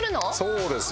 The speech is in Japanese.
そうですよ。